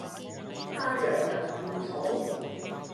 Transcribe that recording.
太陽能電筒